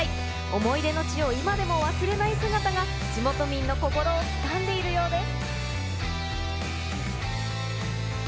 思い出の地を今でも忘れない姿が、地元民の心をつかんでいるようです。